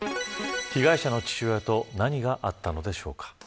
被害者の父親と何があったのでしょうか。